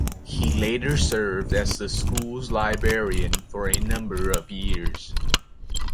He later served as the school's librarian for a number of years.